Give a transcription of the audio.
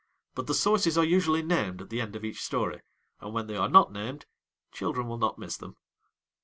But the sources are usually named at the end of each story, and when they are not named children will not miss them.